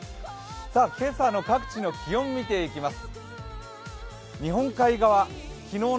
今朝の各地の気温見ていきます。